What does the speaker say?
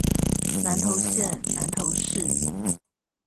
南投縣南投市